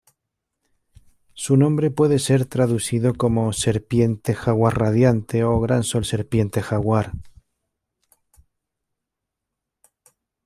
Su nombre puede ser traducido como ‘Serpiente Jaguar Radiante’ o ‘Gran Sol Serpiente Jaguar’.